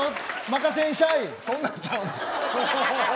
そんなんちゃう。